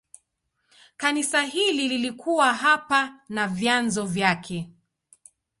Kanisa hili lilikuwa hapa na vyanzo vyake.